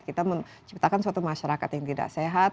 kita menciptakan suatu masyarakat yang tidak sehat